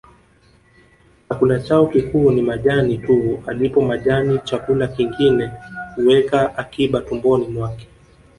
Chakula chao kikuu ni majani tu alipo majani chakula kingine huweka akiba tumboni mwake